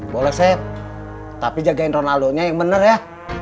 boleh seb tapi jagain ronaldonya yang bener ya